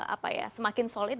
apa ya semakin solid